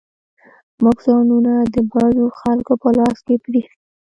موږ ځانونه د بدو خلکو په لاس کې پرېښي.